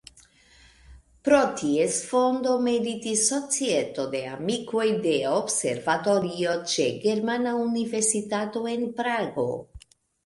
Pro ties fondo meritis Societo de amikoj de observatorio ĉe Germana universitato en Prago.